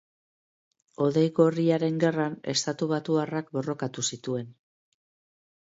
Hodei Gorriaren Gerran estatubatuarrak borrokatu zituen.